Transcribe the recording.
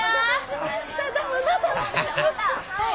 はい！